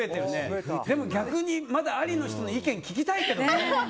でも、逆にまだありの人の意見を聞きたいけどね！